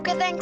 kalau pu pad